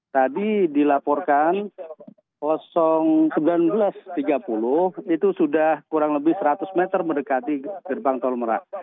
tadi dilaporkan sembilan belas tiga puluh itu sudah kurang lebih seratus meter mendekati gerbang tol merak